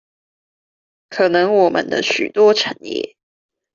可能我們的許多產業